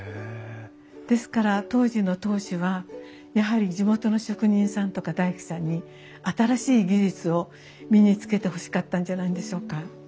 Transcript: ですから当時の当主はやはり地元の職人さんとか大工さんに新しい技術を身につけてほしかったんじゃないんでしょうか。